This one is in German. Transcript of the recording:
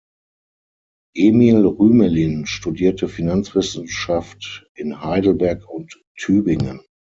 Emil Rümelin studierte Finanzwissenschaft in Heidelberg und Tübingen.